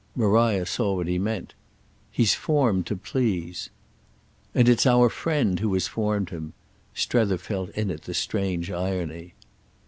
Maria saw what he meant. "He's formed to please." "And it's our friend who has formed him." Strether felt in it the strange irony.